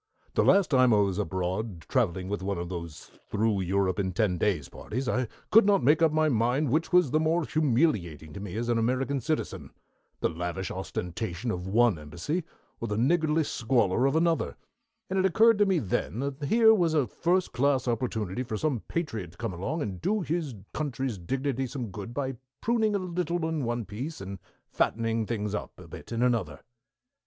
"The last time I was abroad traveling with one of those Through Europe in Ten Days parties, I could not make up my mind which was the more humiliating to me as an American citizen, the lavish ostentation of one embassy, or the niggardly squalor of another; and it occurred to me then that here was a first class opportunity for some patriot to come along and do his country's dignity some good by pruning a little in one place, and fattening things up a bit in another."